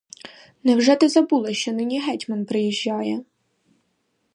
Невже ж ти забула, що нині гетьман приїжджає?